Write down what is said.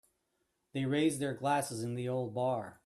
They raised their glasses in the old bar.